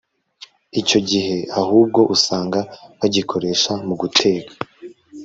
Icyo gihe ahubwo usanga bagikoresha mu guteka